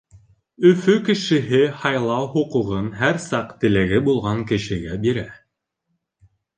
Өфө кешеһе һайлау хоҡуғын һәр саҡ теләге булған кешегә бирә.